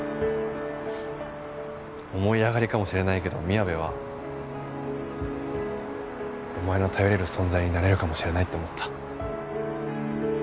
思い上がりかもしれないけどみやべはお前の頼れる存在になれるかもしれないって思った。